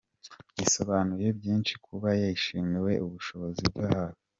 Bisobanuye byinshi kuba yashimiwe ubushobozi bwayo.